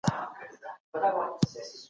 د نورو په غم کي به شریک کیږئ.